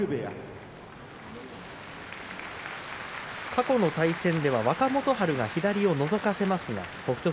過去の対戦では若元春が左をのぞかせますが北勝